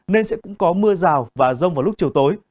nên sẽ cũng có mưa rào và rông vào lúc chiều tối